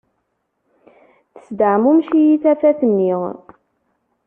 Tesdeɛmumec-iyi tafat-nni